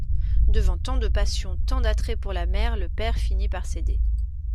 Devant tant de passion, tant d'attrait pour la mer, le père finit par céder.